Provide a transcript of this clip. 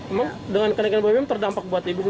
emang dengan kenaikan bbm terdampak buat ibu